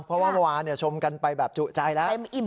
เพราะว่าเมื่อวานชมกันไปแบบจุใจแล้ว